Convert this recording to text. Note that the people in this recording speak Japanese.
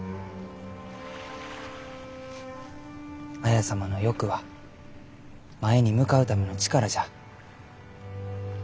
綾様の欲は前に向かうための力じゃ。